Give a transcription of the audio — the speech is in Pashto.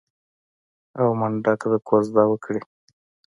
او منډک ته کوژده وکړي.